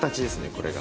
これが。